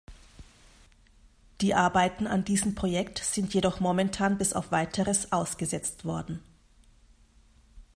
Die Arbeiten an diesem Projekt sind jedoch momentan bis auf Weiteres ausgesetzt worden.